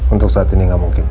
untuk saat ini gak mungkin pak